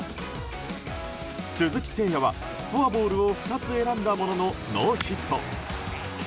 鈴木誠也はフォアボールを２つ選んだもののノーヒット。